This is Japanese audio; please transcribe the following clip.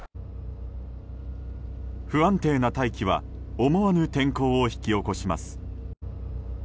不安定な大気は思わぬ天候を引き起こします。